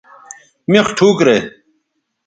مِخ ٹھوک رے